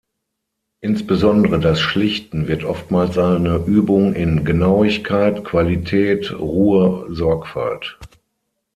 Insbesondere das Schlichten wird oftmals eine Übung in Genauigkeit, Qualität, Ruhe, Sorgfalt.